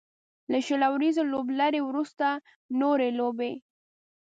له شل اوريزې لوبلړۍ وروسته نورې لوبې